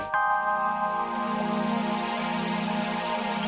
dari rambut mu